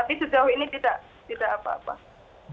tapi sejauh ini tidak apa apa